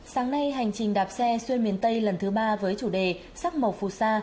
sáng nay hành trình đạp xe xuyên miền tây lần thứ ba với chủ đề sắc màu phù sa